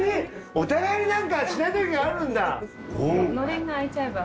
お互いになんかしないときがあるんだ。